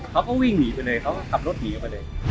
เขาก็วิ่งหนีไปเลยเขาก็ขับรถหนีออกไปเลย